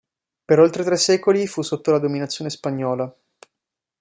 Per oltre tre secoli fu sotto la dominazione spagnola.